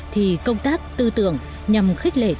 thì công tác tư tưởng nhằm khích lệ tư tưởng